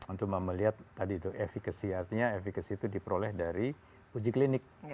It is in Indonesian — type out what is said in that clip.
untuk melihat tadi itu efekasi artinya efekasi itu diperoleh dari uji klinik